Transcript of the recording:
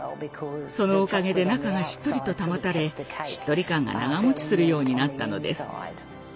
そのおかげで中がしっとりと保たれしっとり感が長持ちするようになったのです。